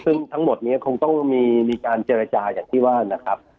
ซึ่งทั้งหมดนี้คงต้องมีการเจรจาอย่างที่ว่านะครับ